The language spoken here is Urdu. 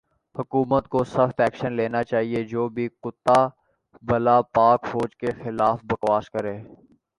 حکومت کو سخت ایکشن لینا چایئے جو بھی کتا بلا پاک فوج کے خلاف بکواس کرے